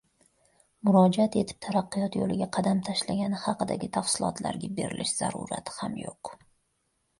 murojaat etib taraqqiyot yo‘liga qadam tashlagani haqidagi tafsilotlarga berilish zarurati ham yo‘q.